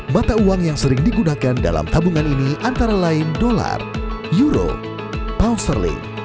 mata uang yang sering digunakan dalam tabungan ini antara lain dolar euro auster league